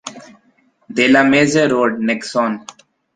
De la Meyze road, Nexon